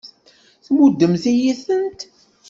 Tmuddemt-iyi-tent.